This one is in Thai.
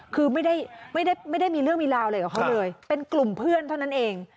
คือไม่ได้ไม่ได้ไม่ได้มีเรื่องมีราวเลยกับเขาเลยเป็นกลุ่มเพื่อนเท่านั้นเอง